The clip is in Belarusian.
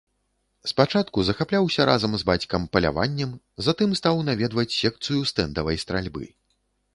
Спачатку захапляўся разам з бацькам паляваннем, затым стаў наведваць секцыю стэндавай стральбы.